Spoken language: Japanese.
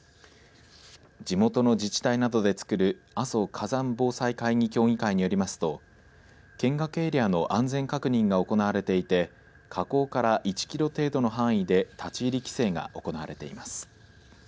地元の自治体などで作る阿蘇火山防災会議協議会によりますと見学エリアの安全確認が行われていて火口から１キロ程度の範囲で立ち入り規制が行われています。